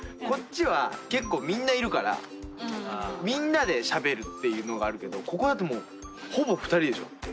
こっちは結構みんないるからみんなでしゃべるっていうのがあるけどここだってもうほぼ２人でしょ？